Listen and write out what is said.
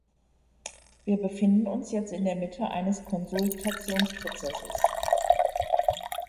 Wir befinden uns jetzt in der Mitte eines Konsultationsprozesses.